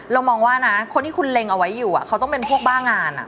เรามองว่านะคนที่คุณเล็งเอาไว้อยู่เขาต้องเป็นพวกบ้างาน